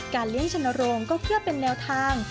เลี้ยงชนโรงก็เพื่อเป็นแนวทาง